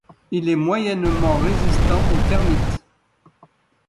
Il est moyennement résistant aux termites.